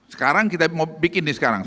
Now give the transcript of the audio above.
sekarang kita mau bikin nih sekarang